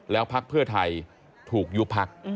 แล้วพักเพื่อไทยถูกยุบพัก